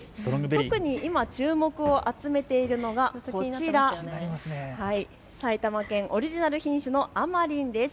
特に今、注目を集めているのがこちら埼玉県オリジナル品種のあまりんです。